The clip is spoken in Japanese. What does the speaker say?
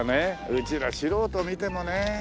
うちら素人見てもね。